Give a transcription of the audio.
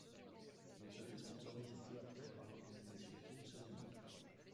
Il se fait sponsoriser peu après par l’organisation Team SoloMid.